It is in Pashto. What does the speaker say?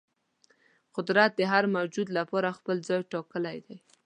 قدرت د هر موجود لپاره خپل ځای ټاکلی دی.